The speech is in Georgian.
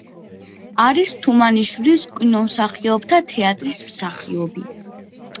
არის თუმანიშვილის კინომსახიობთა თეატრის მსახიობი.